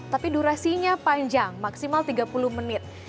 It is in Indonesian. tapi durasinya panjang maksimal tiga puluh menit